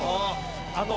あと。